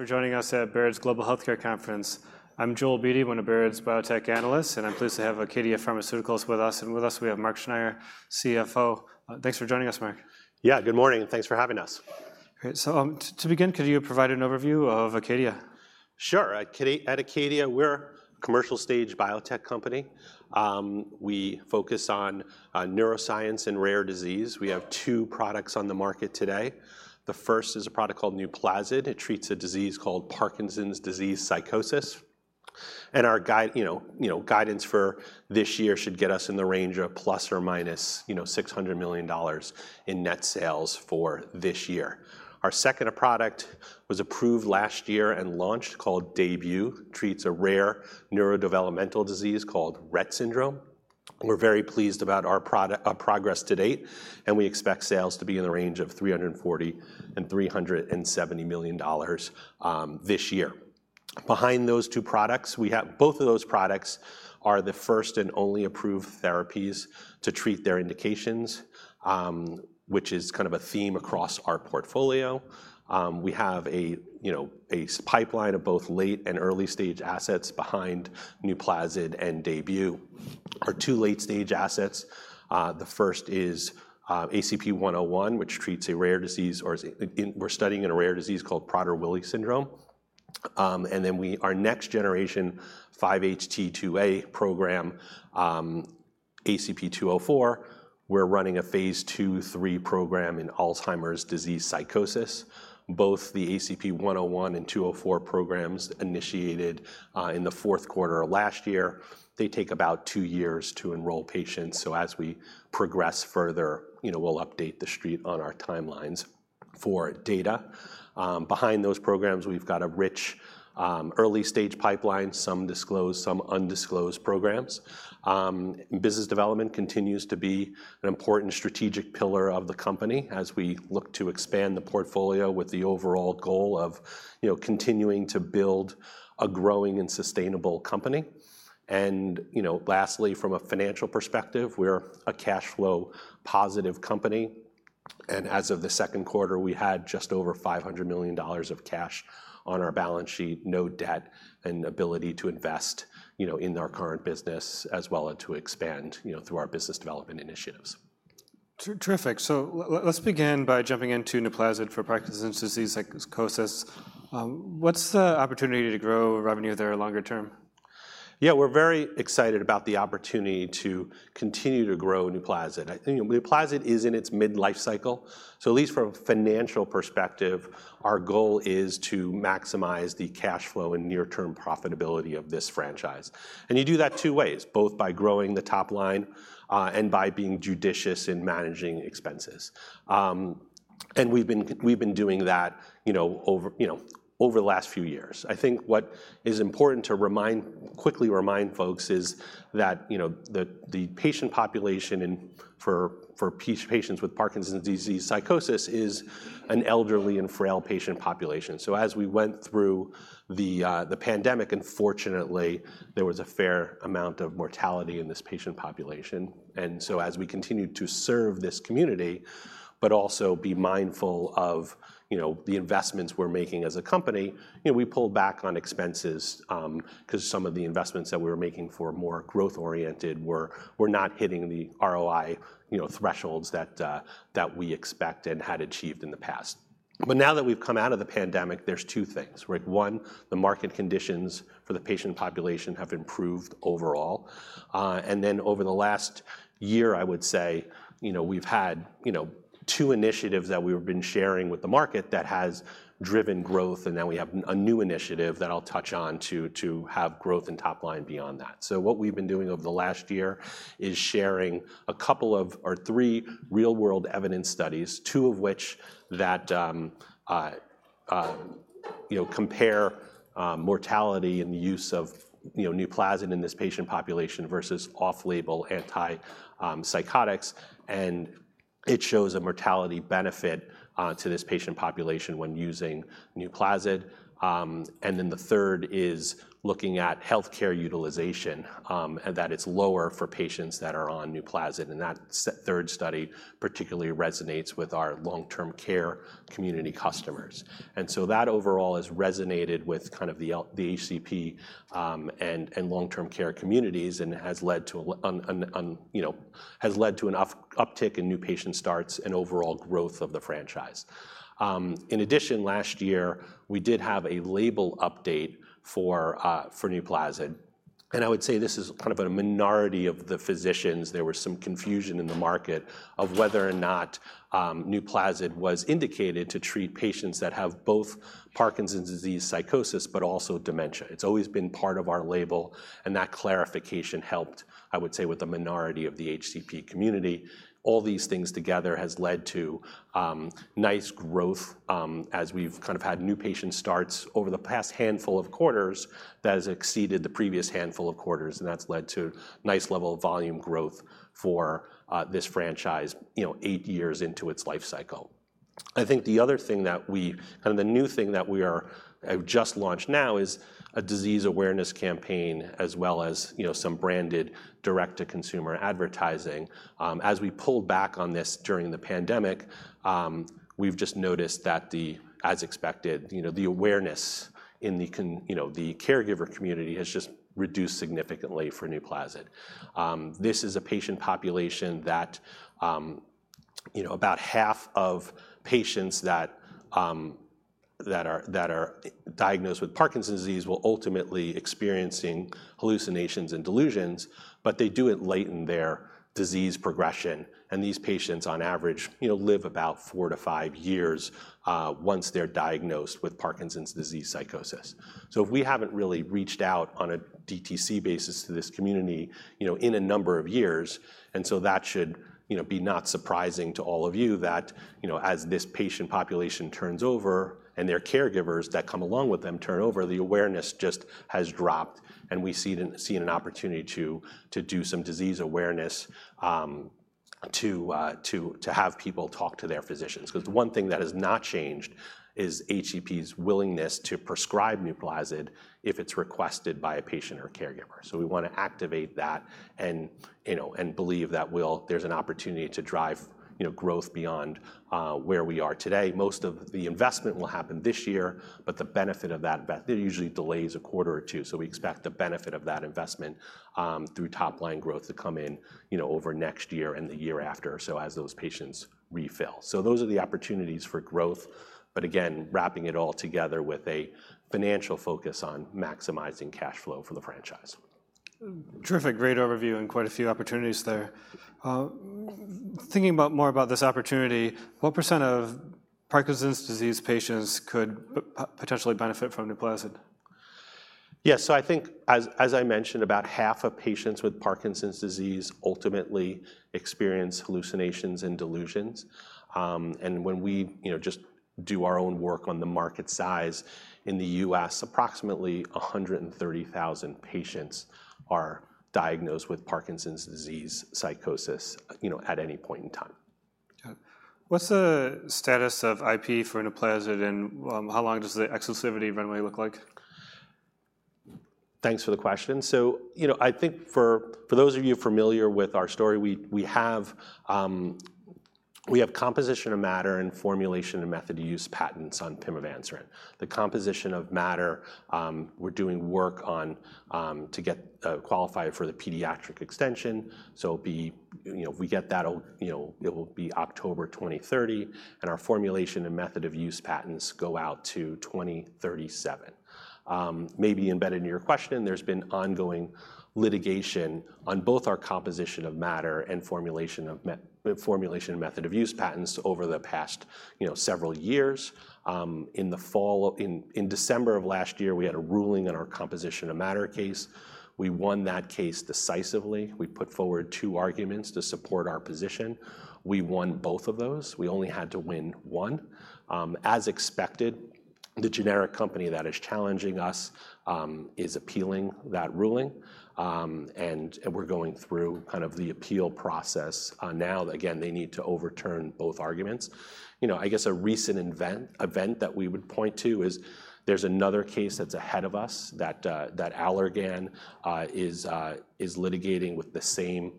For joining us at Baird's Global Healthcare Conference. I'm Joel Beatty, one of Baird's biotech analysts, and I'm pleased to have Acadia Pharmaceuticals with us, and with us, we have Mark Schneyer, CFO. Thanks for joining us, Mark. Yeah, good morning, and thanks for having us. Great. So, to begin, could you provide an overview of Acadia? Sure. At Acadia, we're a commercial-stage biotech company. We focus on neuroscience and rare disease. We have two products on the market today. The first is a product called NUPLAZID. It treats a Parkinson's disease psychosis, and our guidance for this year should get us in the range of plus or minus $600 million in net sales for this year. Our second product was approved last year and launched, called DAYBUE, treats a rare neurodevelopmental disease called Rett syndrome. We're very pleased about our progress to date, and we expect sales to be in the range of $340 million-$370 million this year. Behind those two products, we have both of those products are the first and only approved therapies to treat their indications, which is kind of a theme across our portfolio. We have, you know, a pipeline of both late and early-stage assets behind NUPLAZID and DAYBUE. Our two late-stage assets, the first is ACP101, which treats a rare disease, we're studying in a rare disease called Prader-Willi syndrome. And then our next generation 5-HT2A program, ACP204, we're running a phase II/III program in Alzheimer's disease psychosis. Both the ACP101 and 204 programs initiated in the fourth quarter of last year. They take about two years to enroll patients, so as we progress further, you know, we'll update the street on our timelines for data. Behind those programs, we've got a rich early-stage pipeline, some disclosed, some undisclosed programs. Business development continues to be an important strategic pillar of the company as we look to expand the portfolio with the overall goal of, you know, continuing to build a growing and sustainable company. And, you know, lastly, from a financial perspective, we're a cash flow positive company, and as of the second quarter, we had just over $500 million of cash on our balance sheet, no debt, and ability to invest, you know, in our current business, as well as to expand, you know, through our business development initiatives. Terrific. So let's begin by jumping into Parkinson's disease psychosis. what's the opportunity to grow revenue there longer term? Yeah, we're very excited about the opportunity to continue to grow NUPLAZID. I think NUPLAZID is in its midlife cycle, so at least from a financial perspective, our goal is to maximize the cash flow and near-term profitability of this franchise. And you do that two ways: both by growing the top line, and by being judicious in managing expenses. And we've been doing that, you know, over the last few years. I think what is important to quickly remind folks is that, you know, the patient population for Parkinson's disease psychosis is an elderly and frail patient population. So as we went through the pandemic, unfortunately, there was a fair amount of mortality in this patient population. And so as we continued to serve this community, but also be mindful of, you know, the investments we're making as a company, you know, we pulled back on expenses, 'cause some of the investments that we were making for more growth-oriented were not hitting the ROI, you know, thresholds that we expected and had achieved in the past. But now that we've come out of the pandemic, there's two things, right? One, the market conditions for the patient population have improved overall, and then over the last year, I would say, you know, we've had, you know, two initiatives that we've been sharing with the market that has driven growth, and now we have a new initiative that I'll touch on to have growth and top line beyond that. So what we've been doing over the last year is sharing a couple of, or three real-world evidence studies, two of which that, you know, compare mortality and the use of, you know, NUPLAZID in this patient population versus off-label antipsychotics, and it shows a mortality benefit to this patient population when using NUPLAZID. And then the third is looking at healthcare utilization, and that it's lower for patients that are on NUPLAZID, and that third study particularly resonates with our long-term care community customers. And so that overall has resonated with kind of the HCP and long-term care communities and has led to an, you know, uptick in new patient starts and overall growth of the franchise. In addition, last year, we did have a label update for NUPLAZID, and I would say this is kind of a minority of the physicians. There was some confusion in the market of whether or not NUPLAZID was indicated to treat patients that Parkinson's disease psychosis but also dementia. It's always been part of our label, and that clarification helped, I would say, with the minority of the HCP community. All these things together has led to nice growth as we've kind of had new patient starts over the past handful of quarters that has exceeded the previous handful of quarters, and that's led to nice level of volume growth for this franchise, you know, eight years into its life cycle. I think the other thing that we, and the new thing that we are, have just launched now is a disease awareness campaign, as well as, you know, some branded direct-to-consumer advertising. As we pulled back on this during the pandemic, we've just noticed that, as expected, you know, the awareness in the caregiver community has just reduced significantly for NUPLAZID. This is a patient population that, you know, about half of patients that are diagnosed with Parkinson's disease will ultimately experiencing hallucinations and delusions, but they do it late in their disease progression, and these patients, on average, you know, live about four to five years once they're diagnosed with Parkinson's disease psychosis. So we haven't really reached out on a DTC basis to this community, you know, in a number of years, and so that should, you know, be not surprising to all of you that, you know, as this patient population turns over, and their caregivers that come along with them turn over, the awareness just has dropped, and we see an opportunity to do some disease awareness, to have people talk to their physicians. 'Cause the one thing that has not changed is HCP's willingness to prescribe NUPLAZID if it's requested by a patient or caregiver. So we wanna activate that and, you know, and believe that we'll there's an opportunity to drive, you know, growth beyond where we are today. Most of the investment will happen this year, but the benefit of that bet, it usually delays a quarter or two, so we expect the benefit of that investment through top-line growth to come in, you know, over next year and the year after, so as those patients refill. So those are the opportunities for growth, but again, wrapping it all together with a financial focus on maximizing cash flow for the franchise. Terrific. Great overview, and quite a few opportunities there. Thinking more about this opportunity, what % of Parkinson's disease patients could potentially benefit from NUPLAZID? Yeah, so I think, as I mentioned, about half of patients with Parkinson's disease ultimately experience hallucinations and delusions, and when we, you know, just do our own work on the market size, in the U.S., approximately one hundred and thirty thousand patients are Parkinson's disease psychosis, you know, at any point in time. Okay. What's the status of IP for NUPLAZID, and how long does the exclusivity runway look like? Thanks for the question. So, you know, I think for those of you familiar with our story, we have composition of matter and formulation and method of use patents on pimavanserin. The composition of matter, we're doing work on to get qualified for the pediatric extension, so it'll be. You know, if we get that, it'll, you know, it will be October twenty thirty, and our formulation and method of use patents go out to twenty thirty-seven. Maybe embedded in your question, there's been ongoing litigation on both our composition of matter and formulation and method of use patents over the past, you know, several years. In December of last year, we had a ruling on our composition of matter case. We won that case decisively. We put forward two arguments to support our position. We won both of those. We only had to win one. As expected, the generic company that is challenging us is appealing that ruling, and we're going through kind of the appeal process now. Again, they need to overturn both arguments. You know, I guess a recent event that we would point to is there's another case that's ahead of us that Allergan is litigating with the same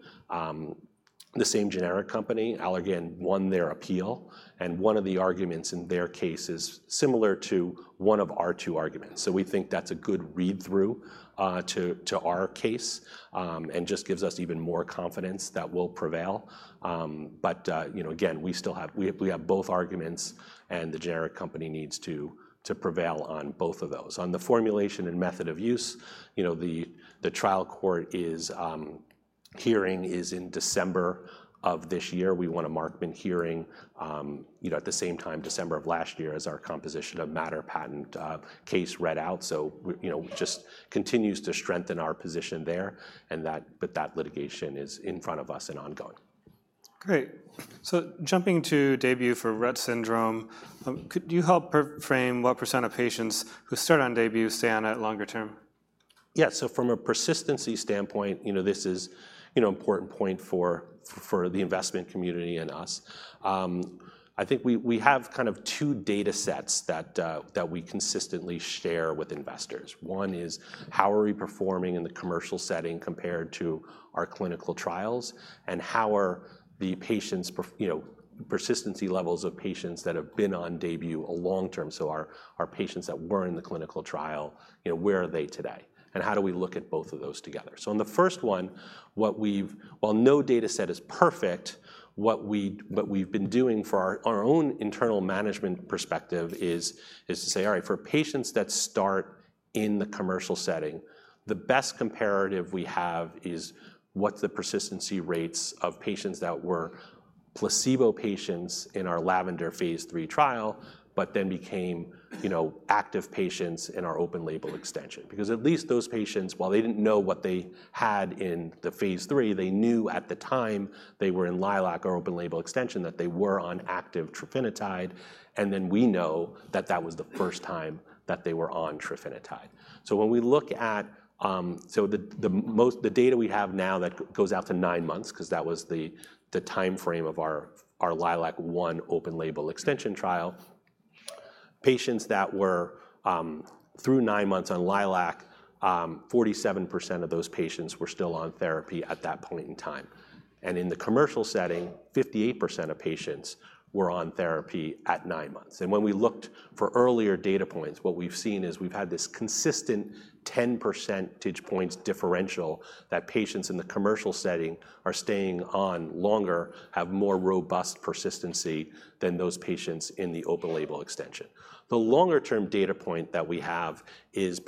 generic company. Allergan won their appeal, and one of the arguments in their case is similar to one of our two arguments, so we think that's a good read-through to our case, and just gives us even more confidence that we'll prevail. But, you know, again, we still have both arguments, and the generic company needs to prevail on both of those. On the formulation and method of use, you know, the trial court hearing is in December of this year. We want a Markman hearing, you know, at the same time December of last year as our composition of matter patent case read out. So, you know, just continues to strengthen our position there, and, but that litigation is in front of us and ongoing. Great, so jumping to DAYBUE for Rett syndrome, could you help frame what % of patients who start on DAYBUE stay on it longer term? Yeah. So from a persistency standpoint, you know, this is, you know, important point for the investment community and us. I think we have kind of two datasets that we consistently share with investors. One is, how are we performing in the commercial setting compared to our clinical trials, and how are the patients' you know, persistency levels of patients that have been on DAYBUE long term? So our patients that were in the clinical trial, you know, where are they today, and how do we look at both of those together? So in the first one, what we've... While no dataset is perfect, what we, what we've been doing for our, our own internal management perspective is to say, "All right, for patients that start in the commercial setting, the best comparative we have is what the persistency rates of patients that were placebo patients in our LAVENDER phase III trial but then became, you know, active patients in our open-label extension." Because at least those patients, while they didn't know what they had in the phase III, they knew at the time they were in LILAC or open-label extension, that they were on active trofinetide, and then we know that that was the first time that they were on trofinetide. So when we look at... So the most data we have now that goes out to nine months, 'cause that was the timeframe of our LILAC open-label extension trial, patients that were through nine months on LILAC, 47% of those patients were still on therapy at that point in time. And in the commercial setting, 58% of patients were on therapy at nine months. And when we looked for earlier data points, what we've seen is we've had this consistent ten percentage points differential that patients in the commercial setting are staying on longer, have more robust persistency than those patients in the open-label extension. The longer-term data point that we have is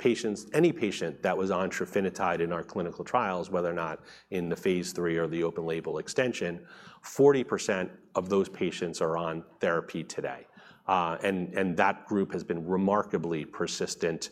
any patient that was on trofinetide in our clinical trials, whether or not in the phase III or the open-label extension, 40% of those patients are on therapy today. That group has been remarkably persistent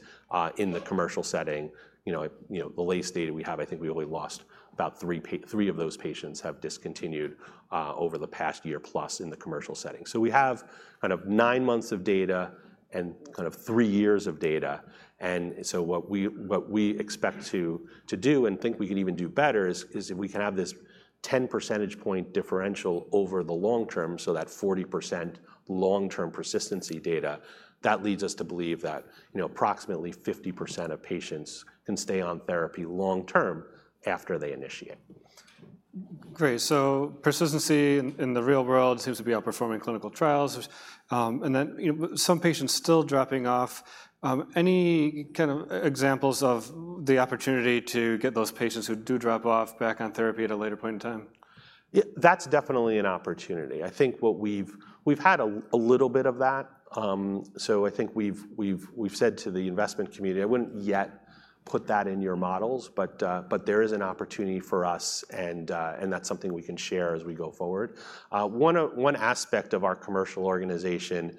in the commercial setting. You know, the latest data we have, I think we only lost about three of those patients have discontinued over the past year plus in the commercial setting. So we have kind of nine months of data and kind of three years of data, and so what we expect to do and think we can even do better is if we can have this 10 percentage point differential over the long term, so that 40% long-term persistency data, that leads us to believe that, you know, approximately 50% of patients can stay on therapy long term after they initiate. Great, so persistency in the real world seems to be outperforming clinical trials. And then, you know, some patients still dropping off. Any kind of examples of the opportunity to get those patients who do drop off back on therapy at a later point in time? Yeah, that's definitely an opportunity. I think what we've had a little bit of that. So I think we've said to the investment community, "I wouldn't yet put that in your models, but there is an opportunity for us, and that's something we can share as we go forward." One aspect of our commercial organization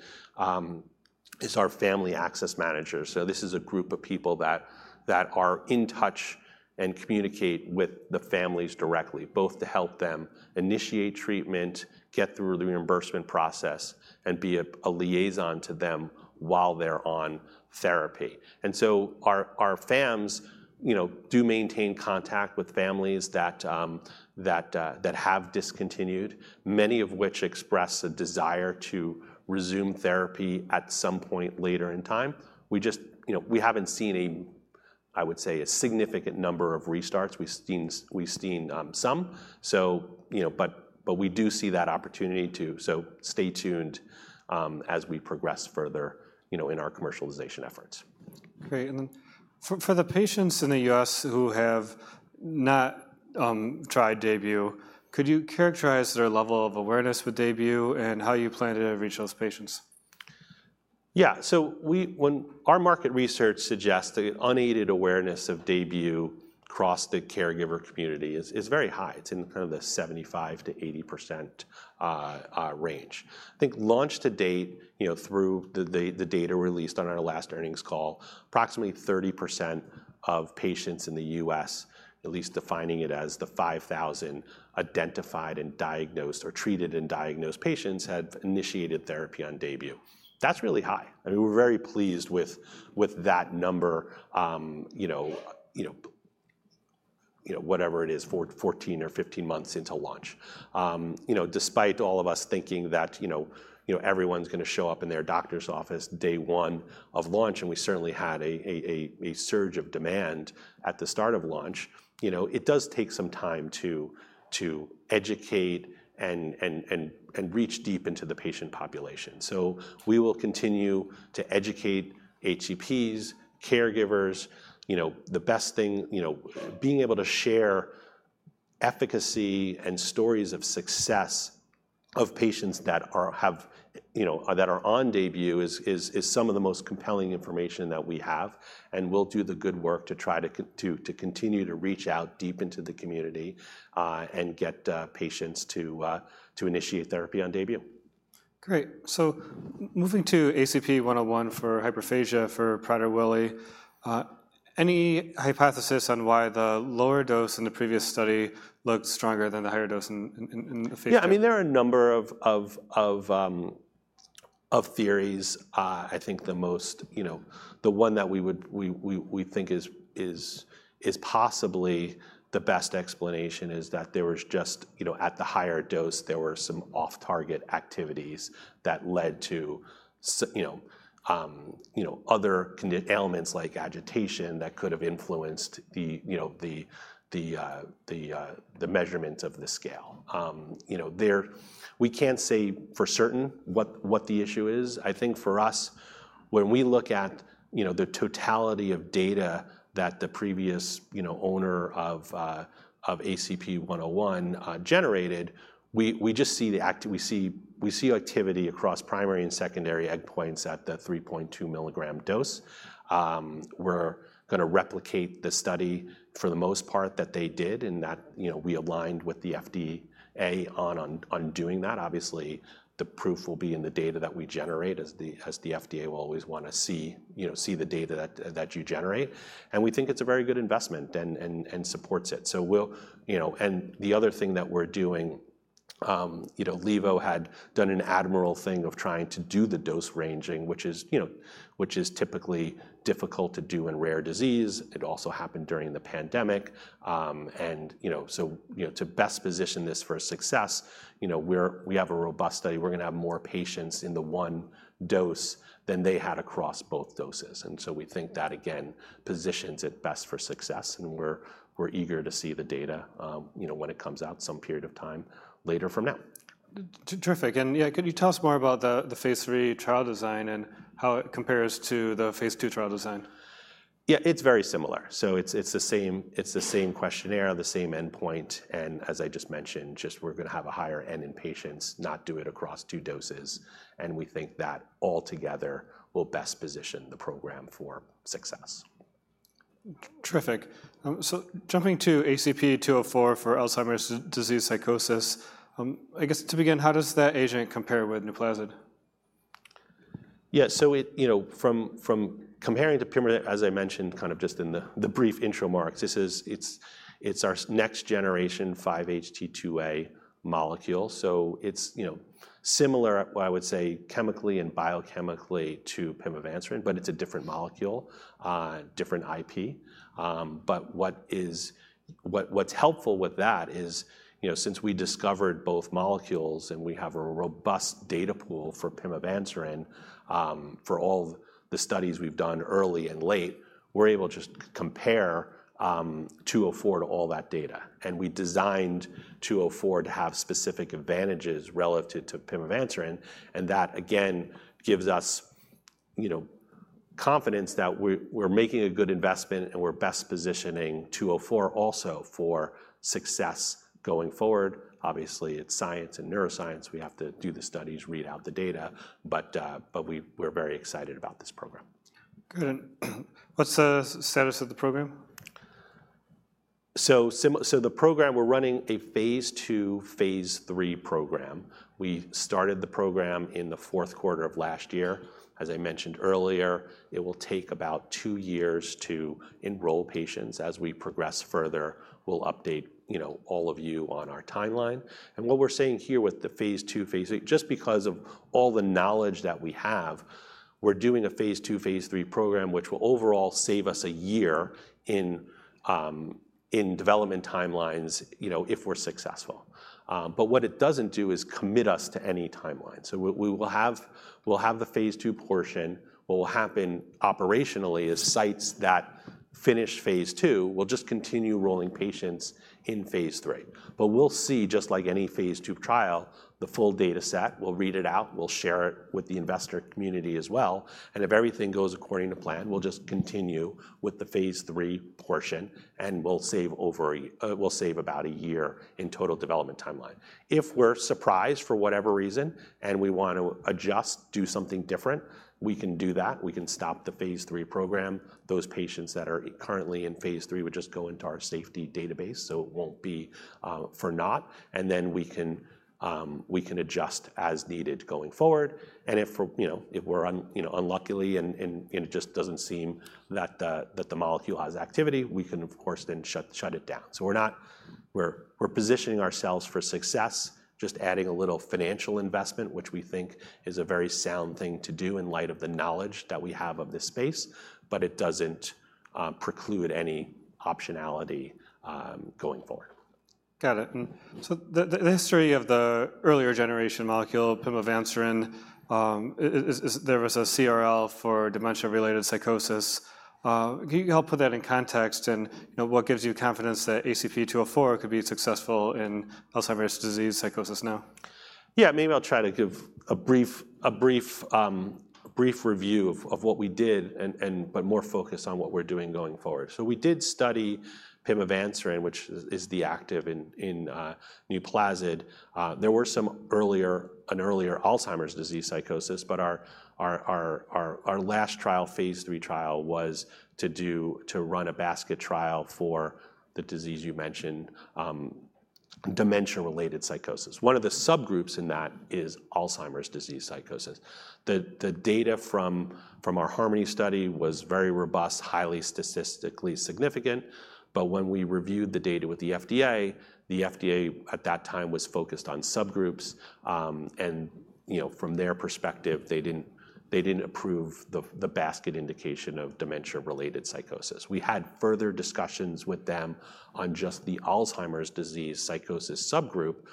is our Family Access Manager. So this is a group of people that are in touch and communicate with the families directly, both to help them initiate treatment, get through the reimbursement process, and be a liaison to them while they're on therapy. And so our FAMs, you know, do maintain contact with families that have discontinued, many of which express a desire to resume therapy at some point later in time. We just, you know, we haven't seen a, I would say, a significant number of restarts. We've seen some, so, you know, but we do see that opportunity, too. So stay tuned as we progress further, you know, in our commercialization efforts. Great. And then for the patients in the U.S. who have not tried DAYBUE, could you characterize their level of awareness with DAYBUE and how you plan to reach those patients? Yeah. So when our market research suggests the unaided awareness of DAYBUE across the caregiver community is very high. It's in kind of the 75%-80% range. I think launch to date, you know, through the data released on our last earnings call, approximately 30% of patients in the U.S., at least defining it as the 5,000 identified and diagnosed or treated and diagnosed patients, have initiated therapy on DAYBUE. That's really high, and we're very pleased with that number, whatever it is, 14 or 15 months into launch. Despite all of us thinking that everyone's gonna show up in their doctor's office day one of launch, and we certainly had a surge of demand at the start of launch, it does take some time to educate and reach deep into the patient population. So we will continue to educate HCPs, caregivers. You know, the best thing, you know, being able to share efficacy and stories of success of patients that are on DAYBUE is some of the most compelling information that we have, and we'll do the good work to try to continue to reach out deep into the community and get patients to initiate therapy on DAYBUE. Great, so moving to ACP101 for hyperphagia for Prader-Willi, any hypothesis on why the lower dose in the previous study looked stronger than the higher dose in the phase three? Yeah, I mean, there are a number of theories. I think the most, you know, the one that we would think is possibly the best explanation is that there was just, you know, at the higher dose, there were some off-target activities that led to, you know, other conditions or ailments like agitation that could have influenced the, you know, the measurement of the scale. You know, we can't say for certain what the issue is. I think for us, when we look at, you know, the totality of data that the previous, you know, owner of ACP101 generated, we just see activity across primary and secondary endpoint at the 3.2 milligram dose. We're gonna replicate the study for the most part that they did, and that, you know, we aligned with the FDA on doing that. Obviously, the proof will be in the data that we generate, as the FDA will always wanna see, you know, see the data that you generate. And we think it's a very good investment and supports it. So we'll. You know, and the other thing that we're doing, you know, Levo had done an admirable thing of trying to do the dose ranging, which is, you know, which is typically difficult to do in rare disease. It also happened during the pandemic, and, you know, so, you know, to best position this for success, you know, we have a robust study. We're gonna have more patients in the one dose than they had across both doses, and so we think that, again, positions it best for success, and we're eager to see the data, you know, when it comes out some period of time later from now. Terrific. And yeah, could you tell us more about the phase III trial design and how it compares to the phase II trial design? Yeah, it's very similar. So it's the same questionnaire, the same endpoint, and as I just mentioned, just we're gonna have a higher n in patients, not do it across two doses, and we think that altogether will best position the program for success. Terrific. So jumping to ACP204 for Alzheimer's disease psychosis, I guess to begin, how does that agent compare with NUPLAZID? Yeah, so it. You know, from comparing to pimavanserin as I mentioned kind of just in the brief intro remarks, this is. It's our next generation 5-HT2A molecule. So it's you know similar, I would say, chemically and biochemically to pimavanserin, but it's a different molecule, different IP. But what's helpful with that is you know since we discovered both molecules and we have a robust data pool for pimavanserin for all the studies we've done early and late, we're able to just compare 204 to all that data. And we designed 204 to have specific advantages relative to pimavanserin, and that again gives us you know confidence that we're making a good investment, and we're best positioning 204 also for success going forward. Obviously, it's science and neuroscience. We have to do the studies, read out the data, but we're very excited about this program. Good. What's the status of the program? The program, we're running a phase II, phase III program. We started the program in the fourth quarter of last year. As I mentioned earlier, it will take about two years to enroll patients. As we progress further, we'll update, you know, all of you on our timeline and what we're saying here with the phase II. Just because of all the knowledge that we have, we're doing a phase II, phase III program, which will overall save us a year in development timelines, you know, if we're successful, but what it doesn't do is commit us to any timeline so we will have the phase II portion. What will happen operationally is sites that finish phase II will just continue enrolling patients in phase III, but we'll see, just like any phase II trial, the full data set. We'll read it out, we'll share it with the investor community as well, and if everything goes according to plan, we'll just continue with the phase III portion, and we'll save about a year in total development timeline. If we're surprised for whatever reason, and we want to adjust, do something different, we can do that. We can stop the phase III program. Those patients that are currently in phase III would just go into our safety database, so it won't be for naught, and then we can adjust as needed going forward, you know, if we're unlucky and it just doesn't seem that the molecule has activity, we can, of course, then shut it down. We're positioning ourselves for success, just adding a little financial investment, which we think is a very sound thing to do in light of the knowledge that we have of this space, but it doesn't preclude any optionality going forward. Got it. And so the history of the earlier generation molecule, pimavanserin, is there was a CRL for dementia-related psychosis. Can you help put that in context, and, you know, what gives you confidence that ACP204 could be successful in Alzheimer's disease psychosis now? Yeah, maybe I'll try to give a brief review of what we did and but more focused on what we're doing going forward. So we did study pimavanserin, which is the active in NUPLAZID. There were an earlier Alzheimer's disease psychosis, but our last trial, phase III trial, was to run a basket trial for the disease you mentioned, dementia-related psychosis. One of the subgroups in that is Alzheimer's disease psychosis. The data from our HARMONY study was very robust, highly statistically significant, but when we reviewed the data with the FDA, the FDA at that time was focused on subgroups, and you know, from their perspective, they didn't approve the basket indication of dementia-related psychosis. We had further discussions with them on just the Alzheimer's disease psychosis subgroup,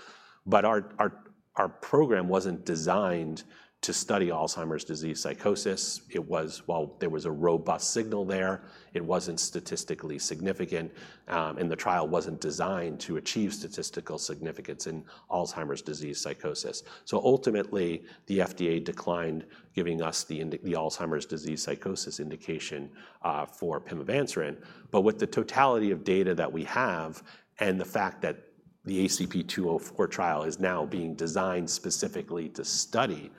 but our program wasn't designed to study Alzheimer's disease psychosis. It was. While there was a robust signal there, it wasn't statistically significant, and the trial wasn't designed to achieve statistical significance in Alzheimer's disease psychosis. So ultimately, the FDA declined giving us the Alzheimer's disease psychosis indication for pimavanserin. But with the totality of data that we have and the fact that the ACP204 trial is now being designed specifically to study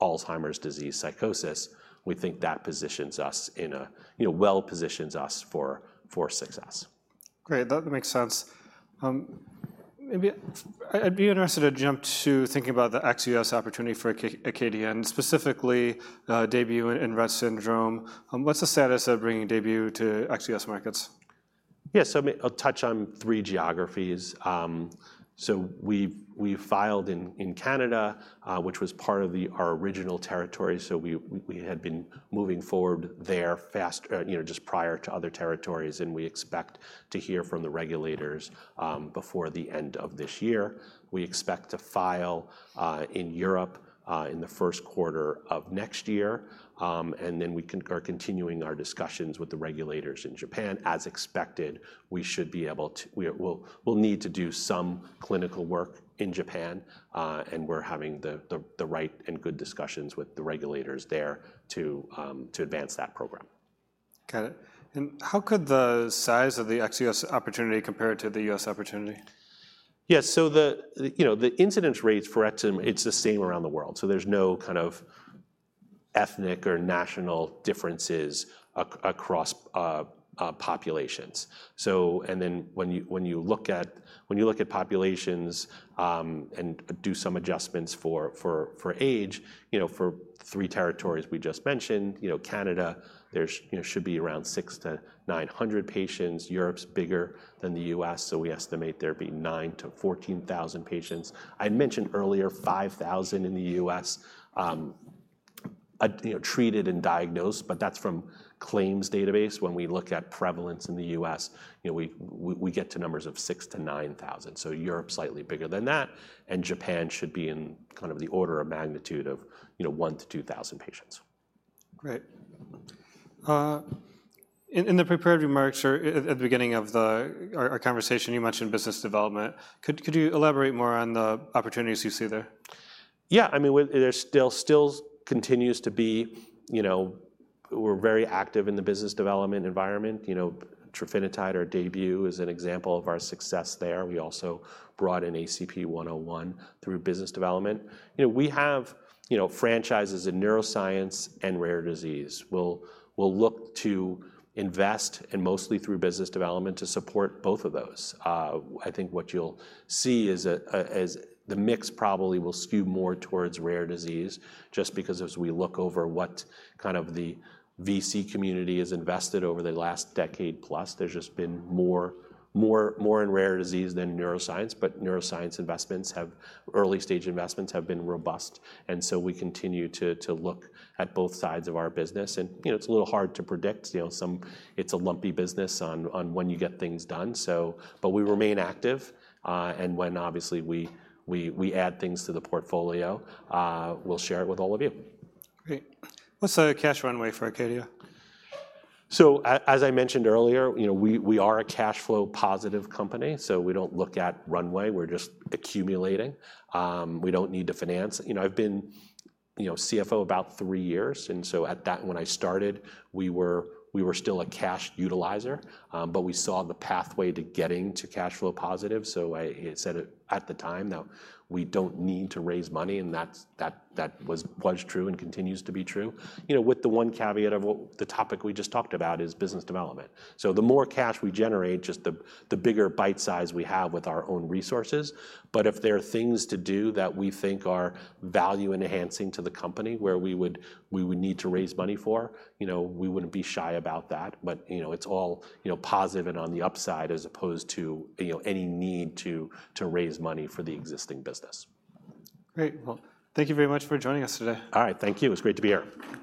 Alzheimer's disease psychosis, we think that positions us you know, well positions us for success. Great. That makes sense. Maybe I'd be interested to jump to thinking about the ex-US opportunity for Acadia, specifically, DAYBUE in Rett syndrome. What's the status of bringing DAYBUE to ex-US markets?... Yeah, so maybe I'll touch on three geographies. So we've filed in Canada, which was part of our original territory, so we had been moving forward there fast, you know, just prior to other territories, and we expect to hear from the regulators before the end of this year. We expect to file in Europe in the first quarter of next year. And then we are continuing our discussions with the regulators in Japan. As expected, we'll need to do some clinical work in Japan, and we're having the right and good discussions with the regulators there to advance that program. Got it. How could the size of the ex-U.S. opportunity compare to the U.S. opportunity? Yeah, so you know, the incidence rates for eczema, it's the same around the world, so there's no kind of ethnic or national differences across populations. So and then, when you look at populations, and do some adjustments for age, you know, for three territories we just mentioned, you know, Canada, there's, you know, should be around 600-900 patients. Europe's bigger than the U.S., so we estimate there be 9,000-14,000 patients. I mentioned earlier, 5,000 in the U.S., you know, treated and diagnosed, but that's from claims database. When we look at prevalence in the U.S., you know, we get to numbers of six to nine thousand, so Europe's slightly bigger than that, and Japan should be in kind of the order of magnitude of, you know, one to two thousand patients. Great. In the prepared remarks or at the beginning of our conversation, you mentioned business development. Could you elaborate more on the opportunities you see there? Yeah. I mean, there still continues to be, you know. We're very active in the business development environment. You know, trofinetide or DAYBUE is an example of our success there. We also brought in ACP101 through business development. You know, we have, you know, franchises in neuroscience and rare disease. We'll look to invest, and mostly through business development, to support both of those. I think what you'll see is the mix probably will skew more towards rare disease, just because as we look over what kind of the VC community has invested over the last decade plus, there's just been more in rare disease than neuroscience. But neuroscience investments, early-stage investments have been robust, and so we continue to look at both sides of our business. You know, it's a little hard to predict, you know, it's a lumpy business on when you get things done, so. But we remain active, and when obviously we add things to the portfolio, we'll share it with all of you. Great. What's the cash runway for Acadia? As I mentioned earlier, you know, we are a cash flow positive company, so we don't look at runway. We're just accumulating. We don't need to finance. You know, I've been CFO about three years, and so when I started, we were still a cash utilizer, but we saw the pathway to getting to cash flow positive. So I said it at the time, that we don't need to raise money, and that's that was true and continues to be true. You know, with the one caveat of what the topic we just talked about is business development. So the more cash we generate, just the bigger bite size we have with our own resources. But if there are things to do that we think are value-enhancing to the company, where we would need to raise money for, you know, we wouldn't be shy about that. But, you know, it's all, you know, positive and on the upside, as opposed to, you know, any need to raise money for the existing business. Great. Thank you very much for joining us today. All right. Thank you. It's great to be here.